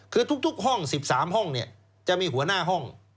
คือทุกห้อง๑๓ห้องจะมีหัวหน้าห้อง